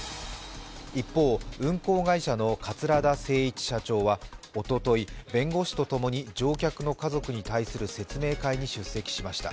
一方、運航会社の桂田精一社長はおととい、弁護士と共に乗客の家族に対する説明会に出席しました。